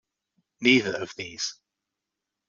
Neither of these.